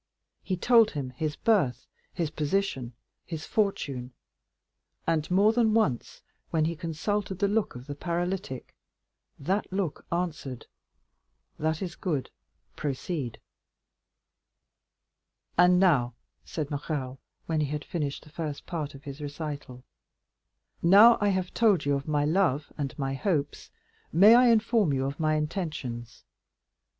He told him his birth, his position, his fortune, and more than once, when he consulted the look of the paralytic, that look answered, "That is good, proceed." "And now," said Morrel, when he had finished the first part of his recital, "now I have told you of my love and my hopes, may I inform you of my intentions?"